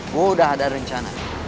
gue udah ada rencana